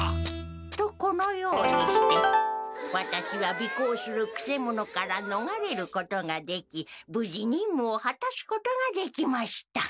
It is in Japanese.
とこのようにしてワタシはびこうするくせ者からのがれることができぶじにんむをはたすことができました。